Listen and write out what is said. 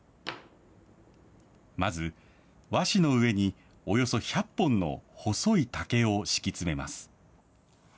まず、和紙の上におよそ１００本の細い竹を敷き詰めます。